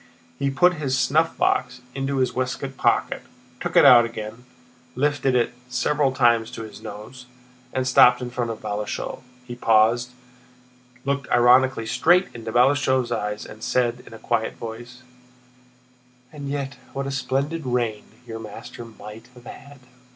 He put his snuffbox into his waistcoat pocket, took it out again, lifted it several times to his nose, and stopped in front of Balashëv. He paused, looked ironically straight into Balashëv's eyes, and said in a quiet voice: "And yet what a splendid reign your master might have had!"